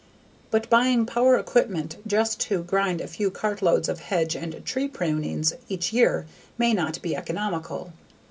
But buying power equipment just to grind a few cart loads of hedge and tree prunings each year may not be economical.